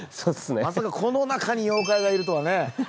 まさかこの中に妖怪がいるとはね。